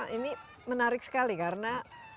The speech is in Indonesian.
ini menarik sekali karena